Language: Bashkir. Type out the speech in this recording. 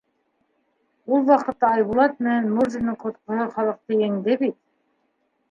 — Ул ваҡытта Айбулат менән Мурзиндың ҡотҡоһо халыҡты еңде бит.